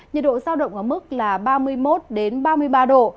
nhiệt độ giao động ở mức ba mươi một đến ba mươi ba độ